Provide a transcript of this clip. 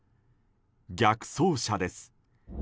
逆走車です。